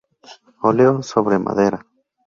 Óleo sobre madera.